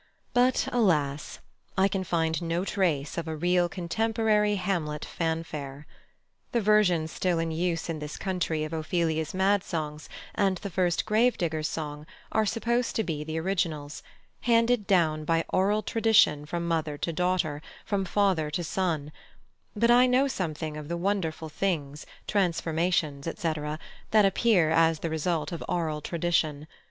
But, alas! I can find no trace of a real contemporary Hamlet fanfare. The versions still in use in this country of Ophelia's mad songs and the first gravedigger's song are supposed to be the originals, handed down by aural tradition from mother to daughter, from father to son; but I know something of the wonderful things, transformations, etc., that appear as the result of aural tradition.